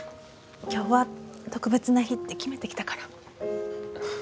今日は特別な日って決めて来たから。